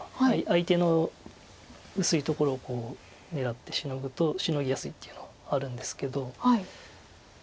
相手の薄いとこを狙ってシノぐとシノぎやすいっていうのはあるんですけど。